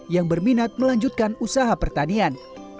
yang berminat melanjutkan usaha pertanian